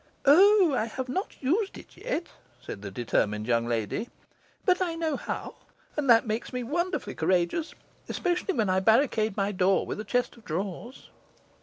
'O, I have not used it yet,' said the determined young lady; 'but I know how, and that makes me wonderfully courageous, especially when I barricade my door with a chest of drawers.